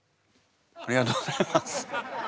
ありがとうございます。